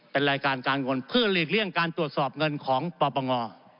เป็นรายการการเงินเพื่อหลีกเลี่ยงการตรวจสอบเงินของปปง